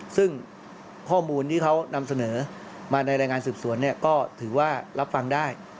ซึ่งข้อมูลที่เขานำเสนอมาในรายงานสืบสวนก็ถือว่ารับฟังได้